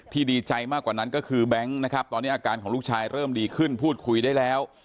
ดีใจมากกว่านั้นก็คือแบงค์นะครับตอนนี้อาการของลูกชายเริ่มดีขึ้นพูดคุยได้แล้ว